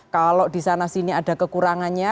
kalau di sana sini ada kekurangannya